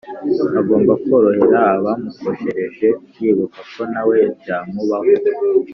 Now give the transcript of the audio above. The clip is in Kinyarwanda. agomba korohera abamukoshereje yibuka ko na we byamubaho